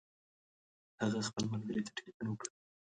هغه خپل ملګري ته تلیفون وکړ.